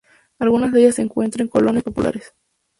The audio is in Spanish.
Algunas de ellas se encuentran en colonias populares.